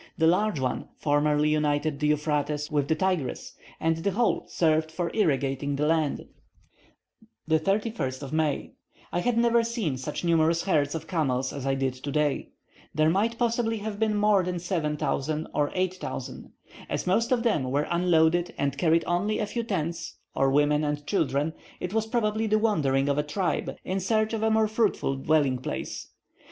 The large one formerly united the Euphrates with the Tigris, and the whole served for irrigating the land. 31st May. I had never seen such numerous herds of camels as I did today; there might possibly have been more than 7,000 or 8,000. As most of them were unloaded and carried only a few tents, or women and children, it was probably the wandering of a tribe in search of a more fruitful dwelling place.